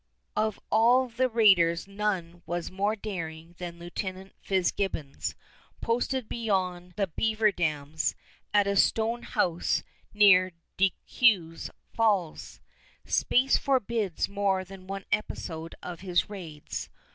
Of all the raiders none was more daring than Lieutenant Fitzgibbons, posted beyond the Beaver Dams, at a stone house near De Ceu's Falls. Space forbids more than one episode of his raids.